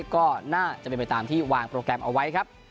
ก็น่าจะเป็นไปตามที่วางโปรแกรมเอาไว้ครับ